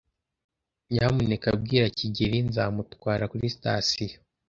Nyamuneka bwira kigeli nzamutwara kuri sitasiyo.